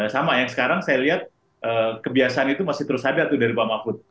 sama yang sekarang saya lihat kebiasaan itu masih terus ada dari pak mahfud